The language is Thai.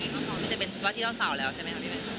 ทางนี้เขาจะเป็นวัฒนศาสตร์แล้วใช่ไหมครับพี่แมน